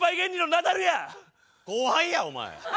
後輩やお前。